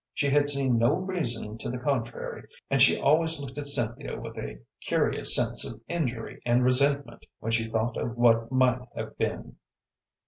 She had seen no reason to the contrary, and she always looked at Cynthia with a curious sense of injury and resentment when she thought of what might have been.